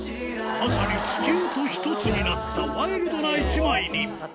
まさに地球と１つになったワイルドな１枚に。